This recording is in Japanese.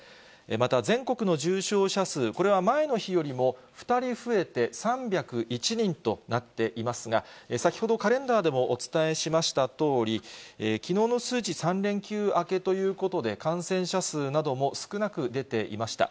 また全国の重症者数これは前の日よりも２人増えて３０１人となっていますが、先ほどカレンダーでもお伝えしましたとおり、きのうの数値、３連休明けということで、感染者数なども少なく出ていました。